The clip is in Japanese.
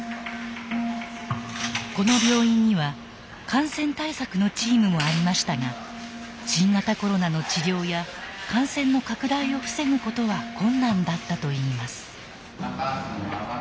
この病院には感染対策のチームもありましたが新型コロナの治療や感染の拡大を防ぐことは困難だったといいます。